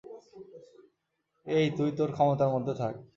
এই তুই তোর ক্ষমতার মধ্যে থাক!